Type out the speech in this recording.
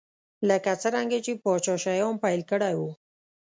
لکه څرنګه چې پاچا شیام پیل کړی و.